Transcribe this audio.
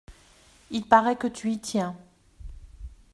Il paraît que tu y tiens…